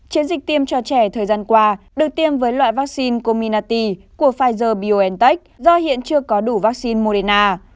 chiến dịch tiêm cho trẻ thời gian qua được tiêm với loại vắc xin comirnaty của pfizer biontech do hiện chưa có đủ vắc xin moderna